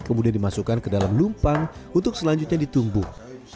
kemudian dimasukkan ke dalam lumpang untuk selanjutnya ditumbuk